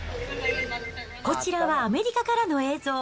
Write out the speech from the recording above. こちらはアメリカからの映像。